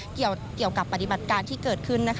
เกี่ยวกับปฏิบัติการที่เกิดขึ้น